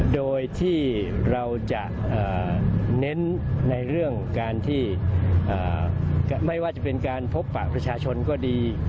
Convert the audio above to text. โดยที่เราจะเน้นในเรื่องการที่ไม่ว่าจะเป็นการพบปะประชาชนก็ดี